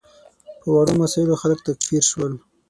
په وړو مسایلو خلک تکفیر شول.